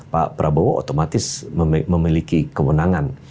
pak prabowo otomatis memiliki kewenangan